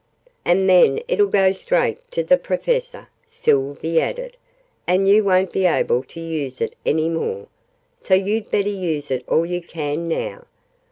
"And then it'll go straight to the Professor," Sylvie added, "and you won't be able to use it anymore: so you'd better use it all you can, now.